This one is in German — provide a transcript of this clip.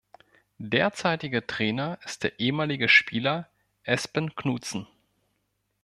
Derzeitiger Trainer ist der ehemalige Spieler Espen Knutsen.